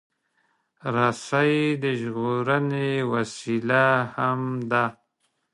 رسۍ د ژغورنې وسیله هم ده.